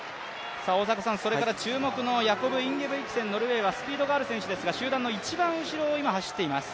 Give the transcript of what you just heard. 注目のヤコブ・インゲブリクセン、ノルウェーはスピードがある選手ですが集団の一番後ろを今、走っています。